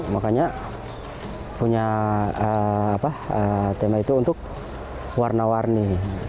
makanya punya tema itu untuk warna warni